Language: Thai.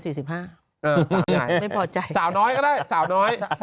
สาวน้อยก็ได้สาวน้อย